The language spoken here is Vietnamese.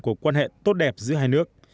của quan hệ tốt đẹp giữa hai nước